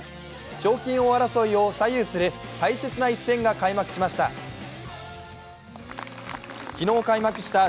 賞金王争いを左右する大切な一戦が開幕しました。